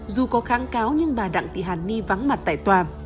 dù có kháng cáo nhưng bà đặng thị hàn ni vắng mặt tại tòa